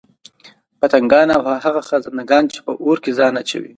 پتنگان او هغه خزندګان چې په اور كي ځان اچوي